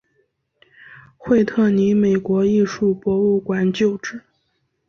惠特尼美国艺术博物馆旧址。